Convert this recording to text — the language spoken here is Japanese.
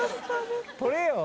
取れよ。